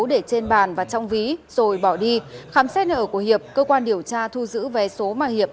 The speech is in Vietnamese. để trên bàn và trong ví rồi bỏ đi khám xét nợ của hiệp cơ quan điều tra thu giữ vé số mà hiệp